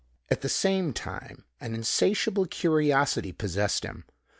At the same time an insatiable curiosity possessed him.